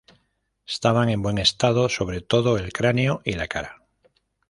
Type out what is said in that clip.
Estaban en buen estado, sobre todo el cráneo y la cara.